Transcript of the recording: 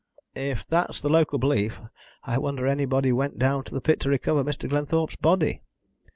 "If that's the local belief, I wonder anybody went down into the pit to recover Mr. Glenthorpe's body."